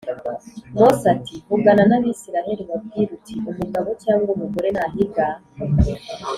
Mose ati vugana n abisirayeli ubabwire uti umugabo cyangwa umugore nahiga